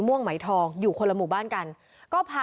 พวกมันต้องกินกันพี่